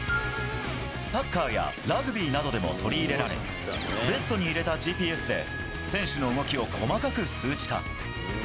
サッカーやラグビーなどでも取り入れられ、ベストに入れたＧＰＳで、選手の動きを細かく数値化。